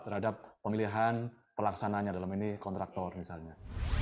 terhadap pemilihan pelaksananya dalam ini kontraktor misalnya